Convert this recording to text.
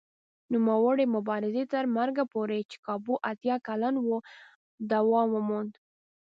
نوموړي مبارزې تر مرګه پورې چې کابو اتیا کلن و دوام وموند.